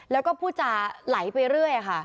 แล้วก็พูดจาไหลไปเรื่อยค่ะ